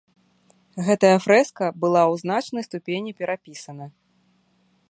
Гэтая фрэска была ў значнай ступені перапісана.